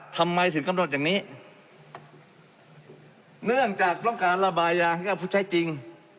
ทำไมถึงกำหนดอย่างนี้เนื่องจากต้องการระบายยาให้กับผู้ใช้จริง